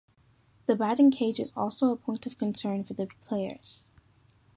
The batting cage is also a point of concern for the players.